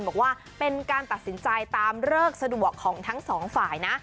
บอกว่าเป็นการตัดสินใจตามเลิกสะดวกของทั้งสองฝ่ายนะ